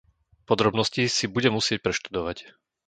Podrobnosti si budem musieť preštudovať.